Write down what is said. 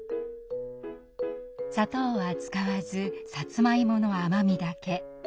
砂糖は使わずさつまいもの甘みだけ。